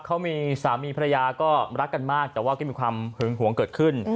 เขามีสามีภรรยาก็รักกันมากแต่ว่าก็มีความหึงหวงเกิดขึ้น